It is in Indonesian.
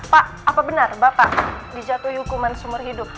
pak apa benar bapak dijatuhi hukuman seumur hidup